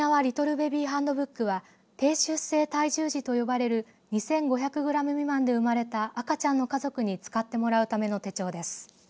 ベビーハンドブックは低出生体重児と呼ばれる２５００グラム未満で生まれた赤ちゃんの家族に使ってもらうための手帳です。